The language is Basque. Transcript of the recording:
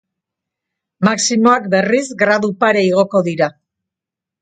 Maximoak berriz gradu pare igoko dira.